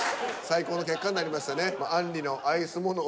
最高の結果になりましたね。